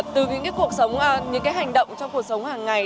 từ những cái cuộc sống những cái hành động trong cuộc sống hàng ngày